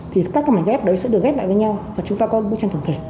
thì các cái mảnh ghép đấy sẽ được ghép lại với nhau và chúng ta có một bức tranh tổng thể